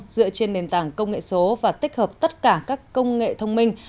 dựa trên nền tảng công nghệ số và tích hợp tất cả các công nghệ thông minh